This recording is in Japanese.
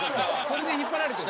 それで引っ張られて。